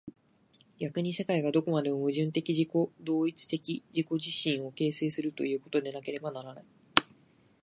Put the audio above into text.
逆に世界がどこまでも矛盾的自己同一的に自己自身を形成するということでなければならない。